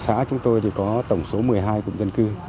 ở xã chúng tôi có tổng số một mươi hai cụm dân cư